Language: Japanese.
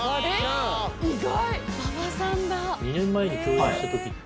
意外。